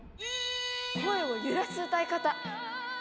声を揺らす歌い方。